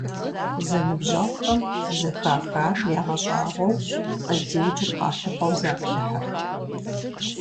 Зэныбжьэгъухэм, зэхахар ягъэщӀагъуэу, къыздиӀукӀыр къалъыхъуэу заплъыхьырт.